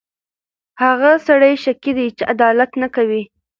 هغه سړی شقیه دی چې عدالت نه کوي.